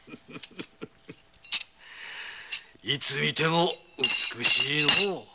いつ見ても美しいのう。